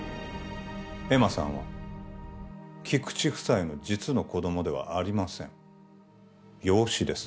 恵茉さんは菊知夫妻の実の子供ではありません養子です